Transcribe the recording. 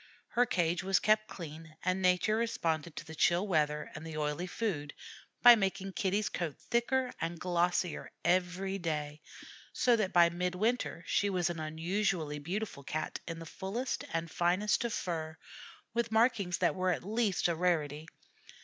Her cage was kept clean, and nature responded to the chill weather and the oily food by making Kitty's coat thicker and glossier every day, so that by midwinter she was an unusually beautiful Cat in the fullest and finest of fur, with markings that were at least a rarity.